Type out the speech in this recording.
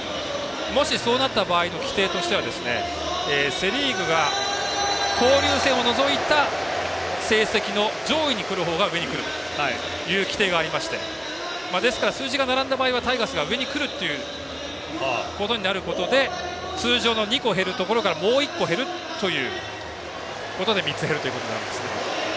もし、そうなった場合の規定としてはセ・リーグが交流戦を除いた成績の上位にくるほうが上にくるという規定がありましてですから数字が並んだ場合はタイガースが上にくるというになることで通常の２個減るところからもう１個減るということで３つ減るということになっています。